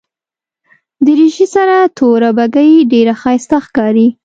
دریشي سره توره بګۍ ډېره ښایسته ښکاري.